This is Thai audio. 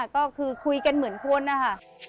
ก็คือคุยกันเหมือนคนนะคะ